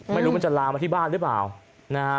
ไม่รู้มันจะลามาที่บ้านรึเปล่า